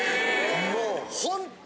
もう。